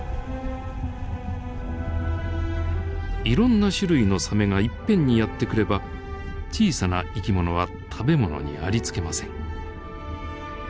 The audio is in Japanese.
いろんな種類のサメがいっぺんにやって来れば小さな生き物は食べ物にありつけません。